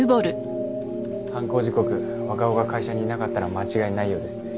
犯行時刻若尾が会社にいなかったのは間違いないようですね。